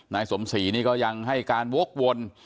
นายสมศรีนี่ก็ยังให้การวกวน